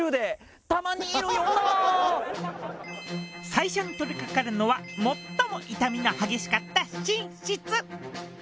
最初に取りかかるのは最も傷みの激しかった寝室。